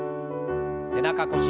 背中腰